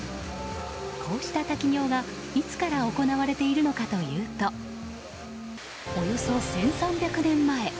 こうした滝行がいつから行われているのかというとおよそ１３００年前。